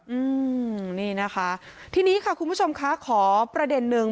อืมนี่นะคะทีนี้ค่ะคุณผู้ชมคะขอประเด็นหนึ่ง